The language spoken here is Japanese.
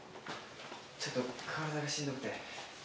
ちょっと体がしんどくて。